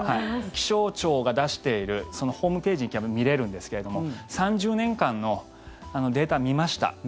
気象庁が出しているホームページに行けば見れるんですけども３０年間のデータを見ました。